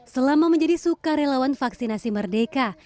selama menjadi sukarelawan vaksinasi merdeka